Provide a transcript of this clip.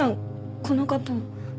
この方は？